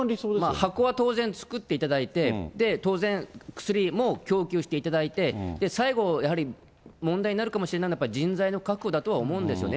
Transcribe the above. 箱は当然作っていただいて、当然、薬も供給していただいて、最後、やはり、問題になるかもしれないのは、人材の確保だとは思うんですよね。